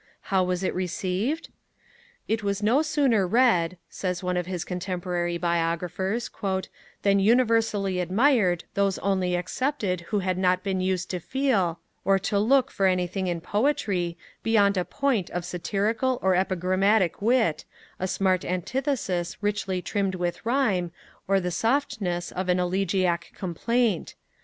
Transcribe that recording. How was it received? 'It was no sooner read,' says one of his contemporary biographers, 'than universally admired those only excepted who had not been used to feel, or to look for anything in poetry, beyond a point of satirical or epigrammatic wit, a smart antithesis richly trimmed with rime, or the softness of an elegiac complaint.